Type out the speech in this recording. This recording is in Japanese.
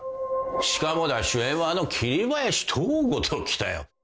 しかもだ主演はあの桐林藤吾ときたよ